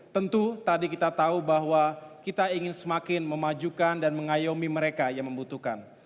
tentu tadi kita tahu bahwa kita ingin semakin memajukan dan mengayomi mereka yang membutuhkan